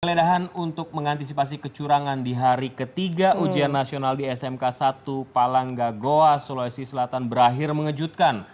peledahan untuk mengantisipasi kecurangan di hari ketiga ujian nasional di smk satu palangga goa sulawesi selatan berakhir mengejutkan